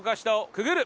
くぐる。